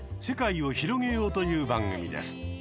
世界を広げようという番組です。